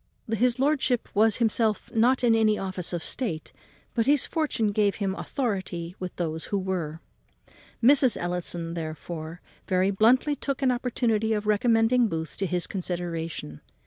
His lordship was not himself in any office of state, but his fortune gave him great authority with those who were. Mrs. Ellison, therefore, very bluntly took an opportunity of recommending Booth to his consideration.